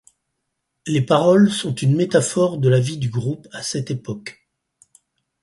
Les paroles sont une métaphore de la vie du groupe, à cette époque.